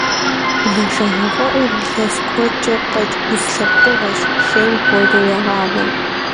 Блэшэгъэфӏэӏур илъэс куэдкӏэ къэкӏ удз лъэпкъыгъуэщ, шейм хуэдэу ягъавэ.